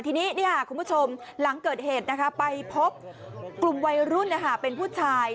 ทีนี้คุณผู้ชมหลังเกิดเหตุไปพบกลุ่มวัยรุ่นเป็นผู้ชาย